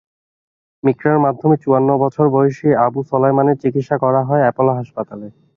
মিক্রার মাধ্যমে চুয়ান্ন বছর বয়সী আবু সোলায়মানের চিকিৎসা করা হয় অ্যাপোলো হাসপাতালে।